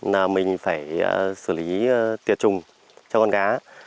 là mình phải xử lý tiệt trùng cho con gái